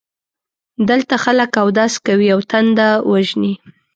دلته خلک اودس کوي او تنده وژني.